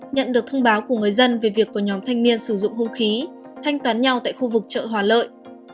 nhận được thông báo của người dân về việc có nhóm thanh niên sử dụng hung khí thanh toán nhau tại khu vực chợ hòa lợi